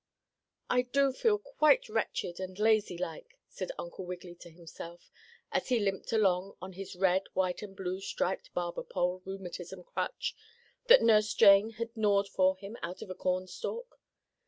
"I do feel quite wretched and lazy like," said Uncle Wiggily to himself, as he limped along on his red, white and blue striped barber pole rheumatism crutch, that Nurse Jane had gnawed for him out of a cornstalk.